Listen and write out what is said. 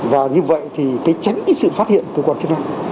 và như vậy thì tránh sự phát hiện của cơ quan chức năng